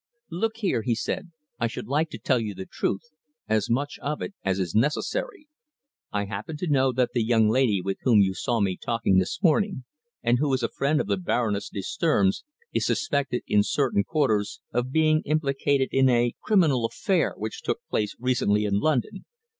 "Look here," he said, "I should like to tell you the truth as much of it as is necessary. I happen to know that the young lady with whom you saw me talking this morning, and who is a friend of the Baroness de Sturm's, is suspected in certain quarters of being implicated in a criminal affair which took place recently in London.